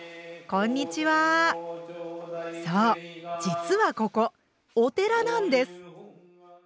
そう実はここお寺なんです！